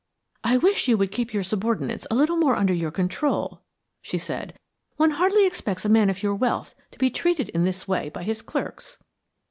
"I wish you would keep your subordinates a little more under your control," she said. "One hardly expects a man of your wealth to be treated in this way by his clerks."